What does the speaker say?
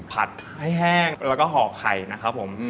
ผัดให้แห้งแล้วก็ห่อไข่นะครับผม